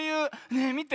ねえみて。